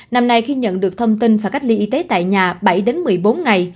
năm nay khi nhận được thông tin và cách ly y tế tại nhà bảy đến một mươi bốn ngày